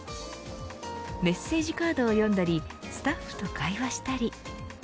メッセージカードを読んだりスタッフと会話したり。